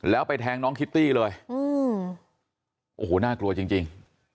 แล้วไปแทงน้องคิตตี้เลยโอ้โหน่ากลัวจริง